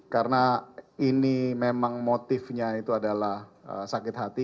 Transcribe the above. karena ini memang motifnya itu adalah sakit hati